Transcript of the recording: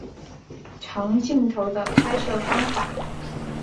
长镜头的拍摄方法。